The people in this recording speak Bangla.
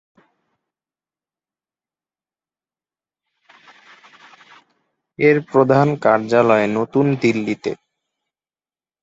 এর প্রধান কার্যালয় নতুন দিল্লিতে।